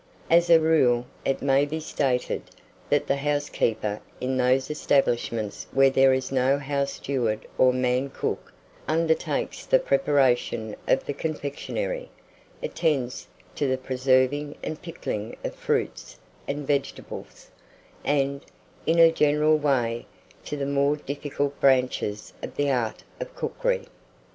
As a rule, it may be stated, that the housekeeper, in those establishments where there is no house steward or man cook, undertakes the preparation of the confectionary, attends to the preserving and pickling of fruits and vegetables; and, in a general way, to the more difficult branches of the art of cookery.